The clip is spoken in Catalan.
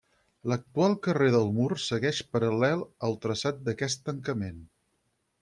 L'actual carrer del Mur segueix paral·lel el traçat d'aquest tancament.